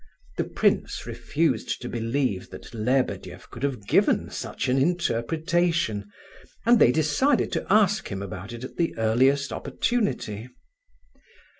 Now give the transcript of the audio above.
The prince refused to believe that Lebedeff could have given such an interpretation, and they decided to ask him about it at the earliest opportunity.